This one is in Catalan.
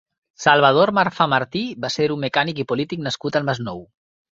Salvador Marfà Martí va ser un mecànic i polític nascut al Masnou.